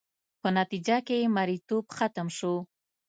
په نتیجه کې یې مریتوب ختم شو.